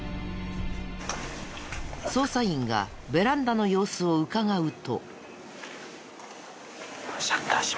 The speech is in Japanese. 捜査員がベランダの様子をうかがうと。